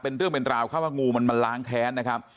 เป็นเรื่องเป็นราวเข้าว่างูมันมาล้างแค้นนะครับ